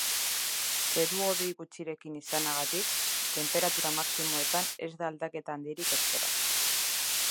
Zerua hodei gutxirekin izanagatik, tenperatura maximoetan ez da aldaketa handirik espero.